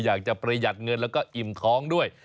อยากจะประหยัดเงินแล้วก็อิ่มท้องด้วย